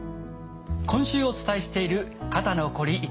今週お伝えしている肩のこり